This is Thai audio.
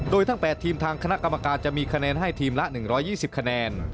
โดยทั้ง๘ทีมทางคณะกรรมการจะมีคะแนนให้ทีมละ๑๒๐คะแนน